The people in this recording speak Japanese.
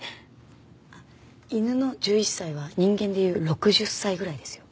犬の１１歳は人間でいう６０歳ぐらいですよ。